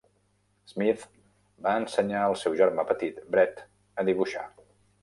Smith va ensenyar al seu germà petit Bret a dibuixar.